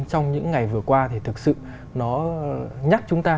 trong những ngày vừa qua thì thực sự nó nhắc chúng ta